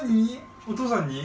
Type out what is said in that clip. お父さんに？